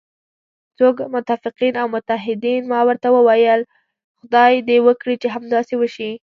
څوک؟ متفقین او متحدین، ما ورته وویل: خدای دې وکړي چې همداسې وشي.